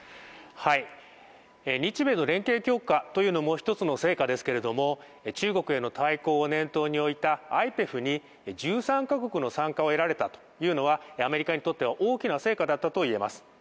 日米の連携強化というのも一つの成果ですけど中国への対抗を念頭に置いたＩＰＥＦに１３カ国の参加を得られたというのはアメリカにとっては大きな成果だったと言えます。